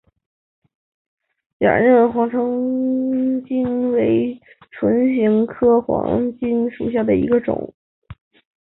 假韧黄芩为唇形科黄芩属下的一个种。